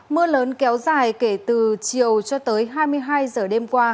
mưa lớn kéo dài kể từ chiều cho tới hai mươi hai giờ đêm qua